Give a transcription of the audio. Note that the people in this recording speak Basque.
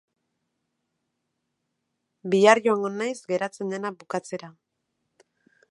Bihar joango naiz geratzen dena bukatzera.